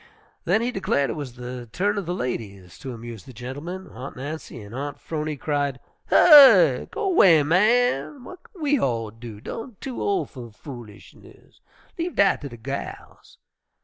Then he declared it was the turn of the ladies to amuse the gentlemen. Aunt Nancy and Aunt 'Phrony cried, "Hysh! Go 'way, man! W'at ken we all do? Done too ol' fer foolishness; leave dat ter de gals!"